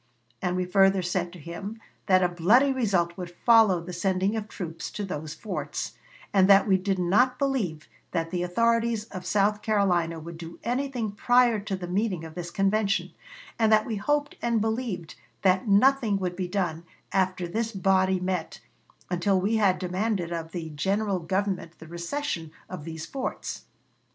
And we further said to him that a bloody result would follow the sending of troops to those forts, and that we did not believe that the authorities of South Carolina would do anything prior to the meeting of this convention, and that we hoped and believed that nothing would be done after this body met until we had demanded of the general Government the recession of these forts."